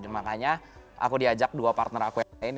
makanya aku diajak dua partner aku yang lain